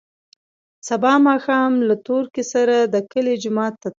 سبا ماښام له تورکي سره د کلي جومات ته تلم.